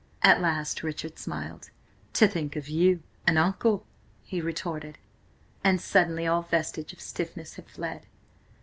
At last Richard smiled. "To think of you an uncle!" he retorted, and suddenly all vestige of stiffness had fled.